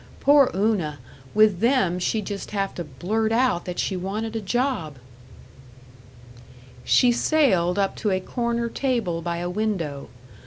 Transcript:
Poor Una, with them she'd just have to blurt out that she wanted a job!" She sailed up to a corner table by a window.